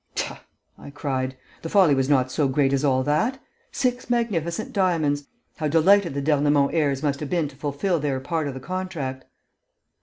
"Tah!" I cried. "The folly was not so great as all that. Six magnificent diamonds! How delighted the d'Ernemont heirs must have been to fulfil their part of the contract!"